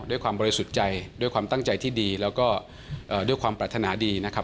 ด้วยความบริสุทธิ์ใจด้วยความตั้งใจที่ดีแล้วก็ด้วยความปรารถนาดีนะครับ